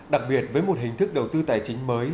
đặc biệt với một hình thức đầu tư tài chính mới